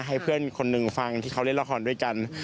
ให้เพื่อนคนหนึ่งฟังที่เขาเล่นละครด้วยกัน